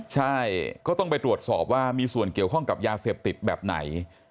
ใช่ก็ต้องไปตรวจสอบว่ามีส่วนเกี่ยวข้องกับยาเสพติดแบบไหน